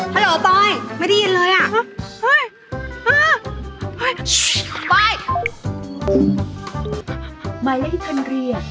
ฮัลโหลปลอยไม่ได้ยินเลยอ่ะ